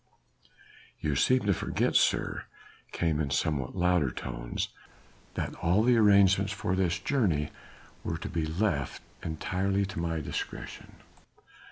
"You seem to forget, sir," came in somewhat louder tones, "that all the arrangements for this journey were to be left entirely to my discretion."